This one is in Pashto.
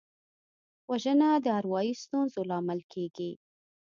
وژنه د اروايي ستونزو لامل کېږي